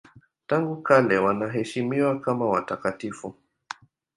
Tangu kale wanaheshimiwa kama watakatifu.